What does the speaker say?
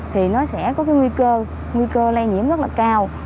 thì nó sẽ có cái nguy cơ nguy cơ lây nhiễm rất là cao